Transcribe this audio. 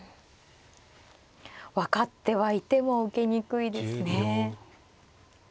分かってはいても受けにくいですね。